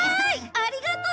ありがとう！